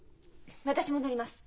私も乗ります。